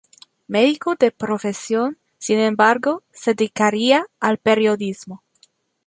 Medico de profesión, sin embargo, se dedicaría al periodismo.